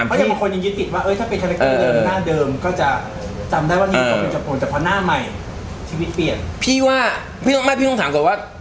พี่ว่าไม่พี่ต้องถามกลัวว่า